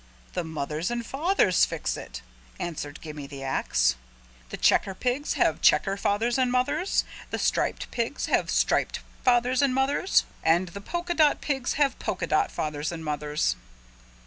"The fathers and mothers fix it," answered Gimme the Ax. "The checker pigs have checker fathers and mothers. The striped pigs have striped fathers and mothers. And the polka dot pigs have polka dot fathers and mothers."